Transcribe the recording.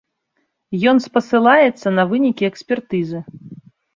Ён спасылаецца на вынікі экспертызы.